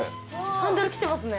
ハンドル切ってますね。